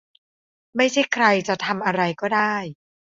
ไม่ใช่ใครจะทำอะไรก็ได้